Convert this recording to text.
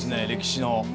歴史の。